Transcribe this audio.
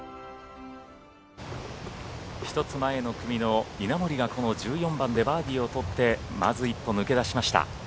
１つ前の組の稲森がこの１４番でバーディーを取ってまず一歩抜け出しました。